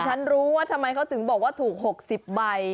ฉันรู้ว่าทำไมเขาถึงบอกว่าถูก๖๐ใบ